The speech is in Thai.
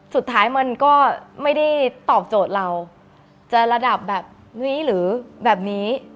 สุดท้ายมันก็ไม่ได้ตอบโจทย์เราจะระดับแบบนี้หรือแบบนี้